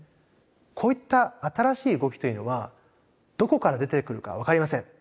こういった新しい動きというのはどこから出てくるか分かりません。